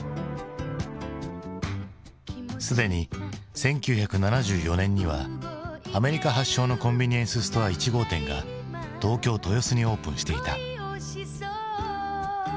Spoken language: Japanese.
すでに１９７４年にはアメリカ発祥のコンビニエンスストア１号店が東京・豊洲にオープンしていた。